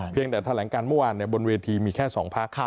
เพียงแต่แถลงการเมื่อวานเนี่ยบนเวทีมีแค่๒พัก